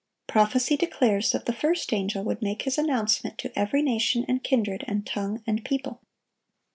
Prophecy declares that the first angel would make his announcement to "every nation, and kindred, and tongue, and people."